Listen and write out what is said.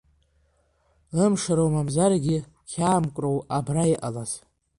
Лымшароу, мамзаргьы, гәхьаамкроу абра иҟалаз?